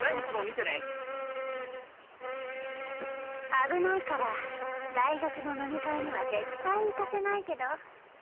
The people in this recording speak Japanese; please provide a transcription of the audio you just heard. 危ないから大学の飲み会には絶対行かせないけど。